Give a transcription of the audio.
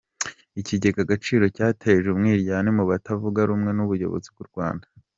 Ikigega Agaciro cyateje umwiryane mu batavuga rumwe n’ubuyobozi bw’u Rwanda